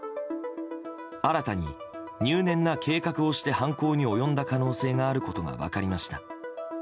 新たに入念な計画をして犯行に及んだ可能性があることが分かりました。